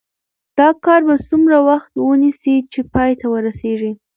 دا کار به څومره وخت ونیسي چې پای ته ورسیږي؟